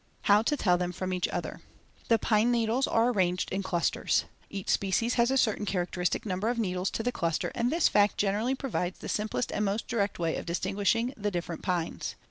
How to tell them from each other: The pine needles are arranged in clusters; see Fig. 1. Each species has a certain characteristic number of needles to the cluster and this fact generally provides the simplest and most direct way of distinguishing the different pines.